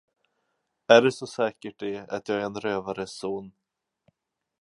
Är det så säkert det, att jag är en rövares son?